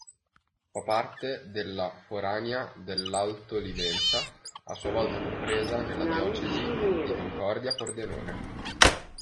Fa parte della forania dell'Alto Livenza, a sua volta compresa nella diocesi di Concordia-Pordenone.